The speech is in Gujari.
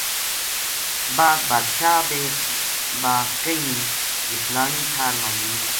بعد بادشاہ با کہنیے جی فلانی ٹھار ما میری